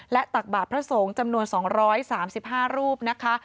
และตักบาทพระสงฆ์จำนวน๒๓๕รูปนะคะ